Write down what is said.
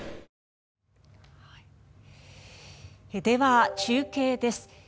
では、中継です。